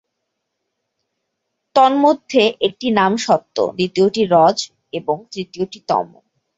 তন্মধ্যে একটির নাম সত্ত্ব, দ্বিতীয়টি রজ এবং তৃতীয়টি তমঃ।